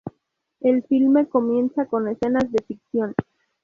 El filme comienza con escenas de ficción.